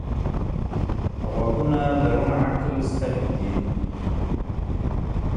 غوږونه د روڼ عقل سترګې دي